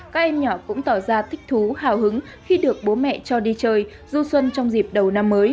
các em nhỏ cũng tỏ ra thích thú hào hứng khi được bố mẹ cho đi chơi du xuân trong dịp đầu năm mới